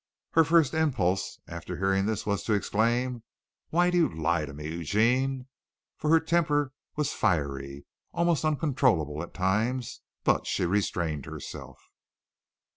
Her first impulse after hearing this was to exclaim, "Why do you lie to me, Eugene?" for her temper was fiery, almost uncontrollable at times; but she restrained herself.